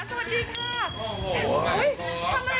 สวัสดีครับคุณผู้ชมครับ